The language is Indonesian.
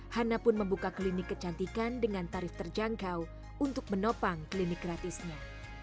hana pun membuka klinik kecantikan dengan tarif terjangkau untuk menopang klinik gratisnya